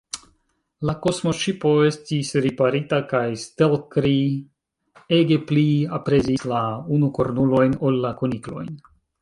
La kosmoŝipo estis riparita, kaj Stelkri ege pli aprezis la unukornulojn ol la kuniklojn.